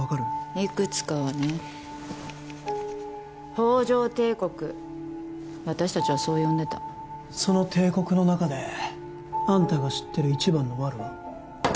いくつかはね「宝条帝国」私達はそう呼んでたその帝国の中であんたが知ってる一番のワルは？